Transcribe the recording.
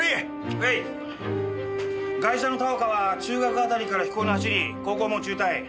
ガイシャの田岡は中学辺りから非行に走り高校も中退。